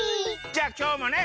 じゃあきょうもね